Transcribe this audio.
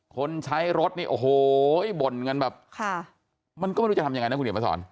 คนใช้รถนี่โอ้โหบ่นกันแบบค่ะมันก็ไม่รู้จะทำยังไงนะคุณเห็นมาสอน